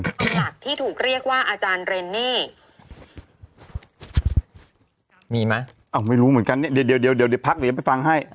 หลักที่ถูกเรียกว่าอาจารย์เรนเน่มีมั้ยอ้าวไม่รู้เหมือนกันเนี้ยเดี๋ยวเดี๋ยวเดี๋ยวเดี๋ยวพักหรือยังไปฟังให้